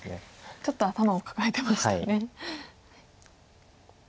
ちょっと頭を抱えてましたね。